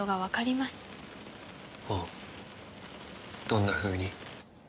どんなふうに？